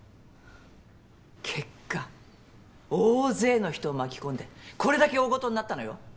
結果大勢の人を巻き込んでこれだけ大ごとになったのよ。